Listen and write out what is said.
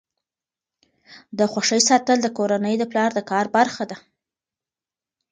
د خوښۍ ساتل د کورنۍ د پلار د کار برخه ده.